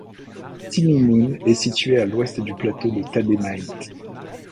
Timimoun est située à l'ouest du plateau de Tademaït.